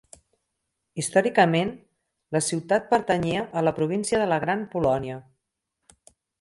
Històricament, la ciutat pertanyia a la província de la Gran Polònia.